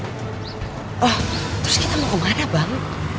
wah terus kita mau kemana bang